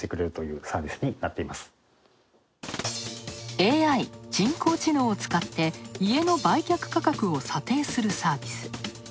ＡＩ＝人工知能を使って家の売却価格を査定するサービス。